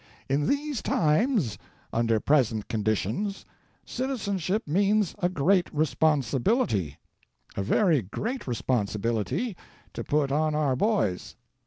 In these times, under present conditions, citizenship means a great responsibility, a very great responsibility to put on our boys.